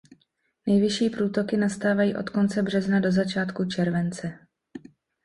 Nejvyšší průtoky nastávají od konce března do začátku července.